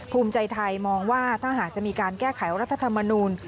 ภูมิใจไทยมองว่าถ้าหากจะมีการแก้ไขรัฐธรรมนูล